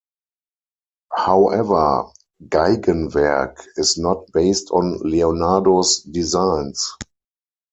However, Geigenwerk is not based on Leonardo's designs.